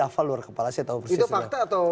afal luar kepala saya tahu itu fakta atau